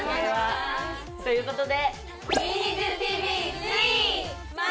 ということで。